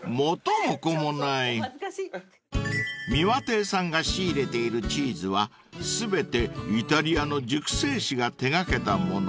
［三輪亭さんが仕入れているチーズは全てイタリアの熟成士が手掛けたもの］